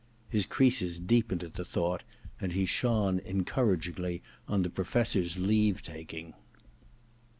His creases deepened at the thought, and he shone en couragingly on the Professor's leave taking.